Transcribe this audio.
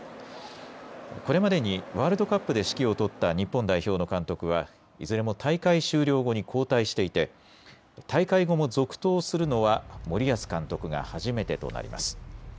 これまでにワールドカップで指揮を執った日本代表の監督はいずれも大会終了後に交代していて大会後も続投するのは森保監督が初めてとなります。